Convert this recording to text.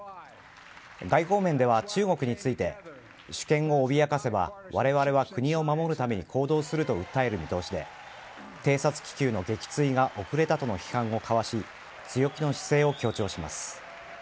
外交面では、中国について主権を脅かせばわれわれは国を守るために行動すると訴える見通しで偵察気球の撃墜が遅れたとの批判をかわし強気の姿勢を強調します。